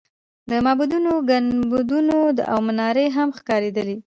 د معبدونو ګنبدونه او منارې هم ښکارېدلې.